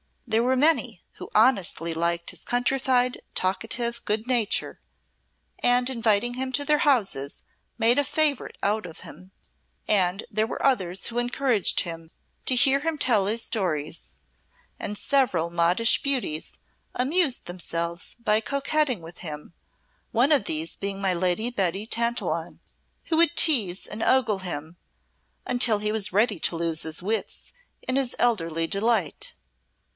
There were many who honestly liked his countrified, talkative good nature, and inviting him to their houses made a favourite of him; and there were others who encouraged him, to hear him tell his stories; and several modish beauties amused themselves by coquetting with him, one of these being my Lady Betty Tantillion, who would tease and ogle him until he was ready to lose his wits in his elderly delight.